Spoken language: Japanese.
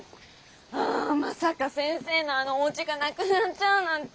あまさか先生のあのお家がなくなっちゃうなんて。